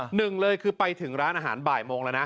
หนึ่งเลยคือไปถึงร้านอาหารบ่ายโมงแล้วนะ